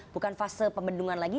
bukan fase pembendungan lagi